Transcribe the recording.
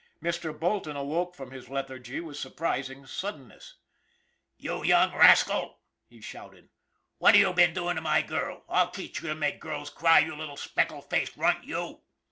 Mr. Bolton awoke from his lethargy with surprising suddenness. ' You young rascal/' he shouted, " what you been doing to my girl? I'll teach you to make girls cry, you little speckled face runt, you